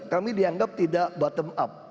kami dianggap tidak bottom up